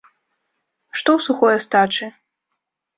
Што ў сухой астачы?